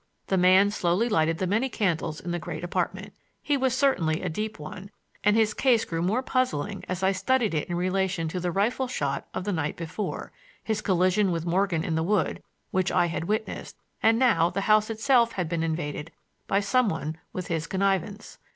The man slowly lighted the many candles in the great apartment. He was certainly a deep one, and his case grew more puzzling as I studied it in relation to the rifle shot of the night before, his collision with Morgan in the wood, which I had witnessed; and now the house itself had been invaded by some one with his connivance.